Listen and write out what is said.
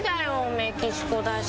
メキシコだし。